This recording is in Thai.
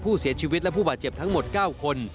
ผู้เสียชีวิตและผู้บาดเจ็บทั้งหมด๙คน